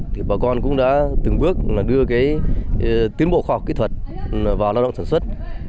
thì bà con cũng đã từng bước là đưa cái tiến bộ khoa học kỹ thuật vào lao động sản xuất